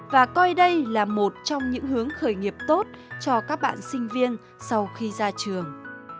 và coi đây là một trong những hướng khởi nghiệp tốt cho các bạn sinh viên sau khi ra trường